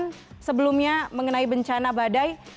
ada peringatan sebelumnya mengenai bencana badai